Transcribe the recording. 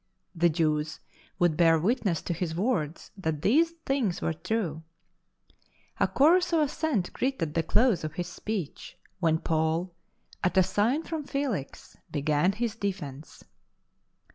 The Jews would bear witness to his w'ords that these things were true. A chorus of assent greeted the close of his speech, when Paul, at a sign from Felix, began his defence.